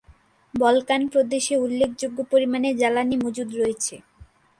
Balkan প্রদেশে উল্লেখযোগ্য পরিমাণে জ্বালানী মজুদ রয়েছে।